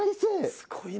すごいな。